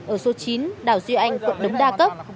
ở số chín đào duy anh quận đống đa cấp